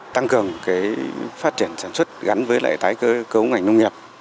tăng cường cái phát triển sản xuất gắn với lại tái cấu ngành nông nghiệp